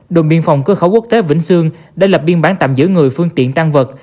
đồn biên phòng cơ khẩu quốc tế vĩnh sương đã lập biên bản tạm giữ người phương tiện tăng vật